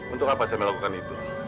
untuk apa saya melakukan itu